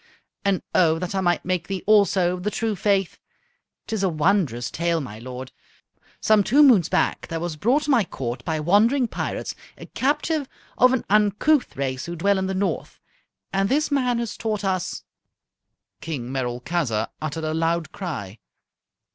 And O that I might make thee also of the true faith! 'Tis a wondrous tale, my lord. Some two moons back there was brought to my Court by wandering pirates a captive of an uncouth race who dwell in the north. And this man has taught us " King Merolchazzar uttered a loud cry.